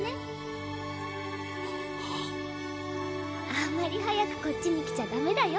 あんまり早くこっちに来ちゃダメだよ。